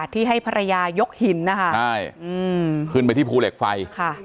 ที่ให้ภรรยายกหินคืนไปที่ภูเหล็กไฟ